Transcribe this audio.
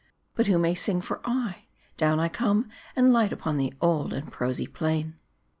But who may sing for aye ? Down I come, and light upon the old and prosy plain.